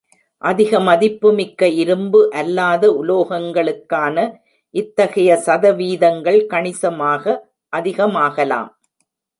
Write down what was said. அதிக மதிப்புமிக்க இரும்பு அல்லாத உலோகங்களுக்கான இத்தகைய சதவீதங்கள் கணிசமாக அதிகமாகலாம்.